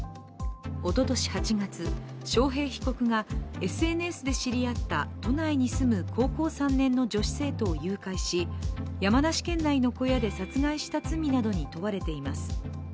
おととし８月、章兵被告がＳＮＳで知り合った都内に住む高校３年の女性生徒を誘拐し、山梨県内の小屋で殺害した罪などに問われています。